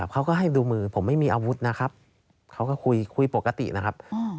เขาก็หันกลับมาคุยกับผม